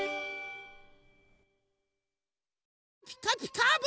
「ピカピカブ！」